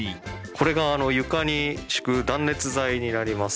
これが床に敷く断熱材になります。